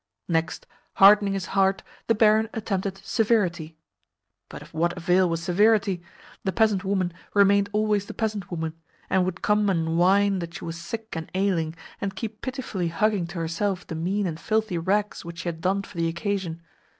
Next, hardening his heart, the barin attempted severity. But of what avail was severity? The peasant woman remained always the peasant woman, and would come and whine that she was sick and ailing, and keep pitifully hugging to herself the mean and filthy rags which she had donned for the occasion.